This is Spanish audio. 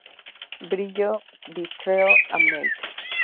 Brillo vítreo a mate.